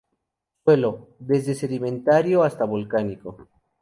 Suelo: desde sedimentario hasta volcánico.